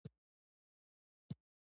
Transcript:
هغه وویل: هو، هغه زما کارډ تا ته در ونه رسید؟